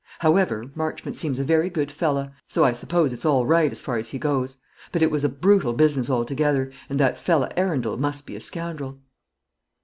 Howevaw, Marchmont seems a vewy good fella; so I suppose it's all wight as far as he goes; but it was a bwutal business altogethaw, and that fella Awundel must be a scoundwel."